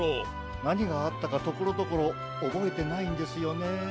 なにがあったかところどころおぼえてないんですよね。